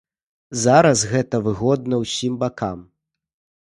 Зараз гэта выгодна ўсім бакам.